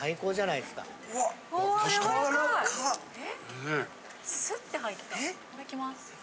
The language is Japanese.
・いただきます。